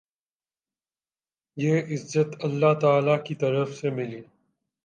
یہ عزت اللہ تعالی کی طرف سے ملی۔